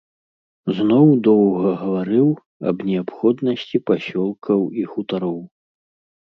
Зноў доўга гаварыў аб неабходнасці пасёлкаў і хутароў.